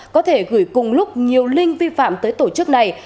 có thể gửi cùng lúc nhiều link vi phạm tới tổ chức này